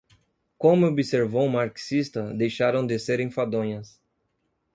como observou um marxista, deixaram de ser enfadonhas.